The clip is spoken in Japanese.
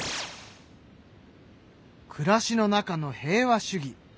暮らしの中の平和主義